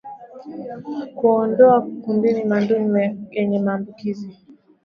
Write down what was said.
Kuwaondoa kundini madume yenye maambukizi